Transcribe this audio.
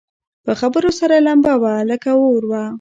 په خبرو سره لمبه وه لکه اور وه